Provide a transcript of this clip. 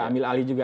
ambil ahli juga